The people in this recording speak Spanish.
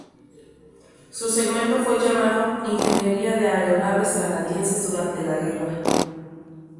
Su segmento fue llamado "Ingeniería de Aeronaves Canadienses durante la guerra".